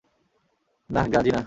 নাহ, গ্রাজি না।